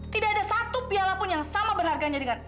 tidak ada satu piala pun yang sama berharganya dengan